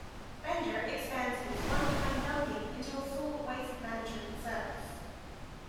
Bender expands his one-time dumping into a full waste management service.